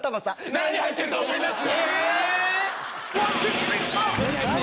何入ってると思います？